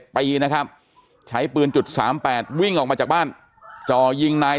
ปีนะครับใช้ปืนจุด๓๘วิ่งออกมาจากบ้านจ่อยิงนาย